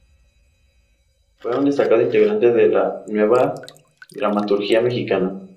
Fue un destacado integrante de la Nueva Dramaturgia Mexicana.